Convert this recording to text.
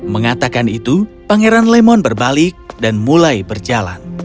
mengatakan itu pangeran lemon berbalik dan mulai berjalan